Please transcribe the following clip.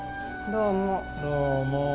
どうも。